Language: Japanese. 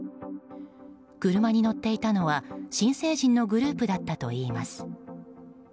車に乗っていたのは新成人のグループだったといいます。